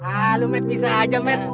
ah lu matt bisa aja matt